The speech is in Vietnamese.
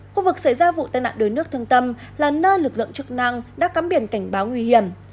khu vực xảy ra vụ tai nạn đuối nước thương tâm là nơi lực lượng chức năng đã cắm biển cảnh báo nguy hiểm